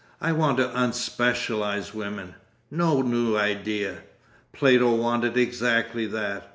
I want to unspecialise women. No new idea. Plato wanted exactly that.